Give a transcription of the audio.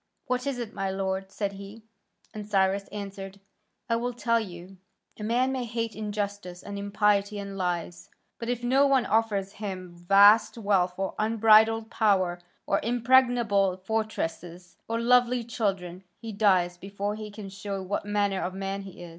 "What is it, my lord?" said he. And Cyrus answered, "I will tell you. A man may hate injustice and impiety and lies, but if no one offers him vast wealth or unbridled power or impregnable fortresses or lovely children, he dies before he can show what manner of man he is.